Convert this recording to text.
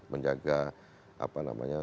menjaga apa namanya